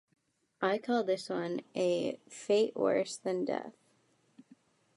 I call this one a Fete Worse Than Death.